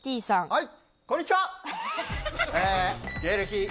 はい。